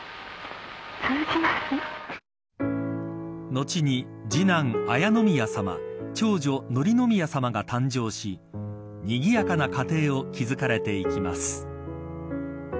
後に次男、礼宮さま長女、紀宮さまが誕生しにぎやかな家庭を築かれていきます。